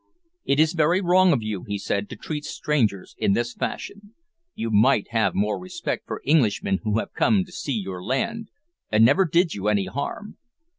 "It is very wrong of you," he said, "to treat strangers in this fashion. You might have more respect for Englishmen who have come to see your land, and never did you any harm.